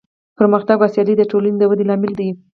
پرمختګ او سیالي د ټولنې د ودې لامل دی.